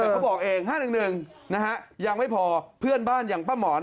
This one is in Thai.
เขาบอกเอง๕๑๑นะฮะยังไม่พอเพื่อนบ้านอย่างป้าหมอน